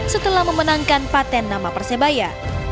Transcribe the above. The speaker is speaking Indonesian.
setelah memenangkan patent nama persebaya